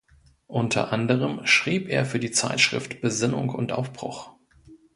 Unter anderem schrieb er für die Zeitschrift "Besinnung und Aufbruch.